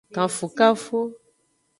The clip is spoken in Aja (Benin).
Kanfukanfu.